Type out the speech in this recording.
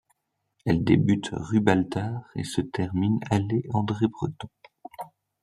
Elle débute rue Baltard et se termine allée André-Breton.